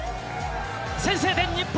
先制点、日本。